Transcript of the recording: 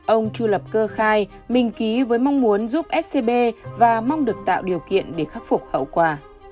ông chu lập cơ khai mình ký với mong muốn giúp scb và mong được tạo điều kiện để khắc phục hậu quả